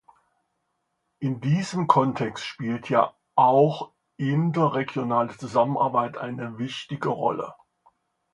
In diesem Kontext spielt ja auch interregionale Zusammenarbeit eine wichtige Rolle.